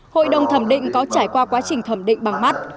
hội đồng thẩm định có trải qua quá trình thẩm định bằng mắt